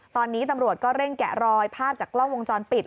ตอนนี้ตำรวจก็เร่งแกะรอยภาพจากกล้องวงจรปิด